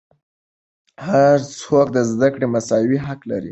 هر څوک د زدهکړې مساوي حق لري.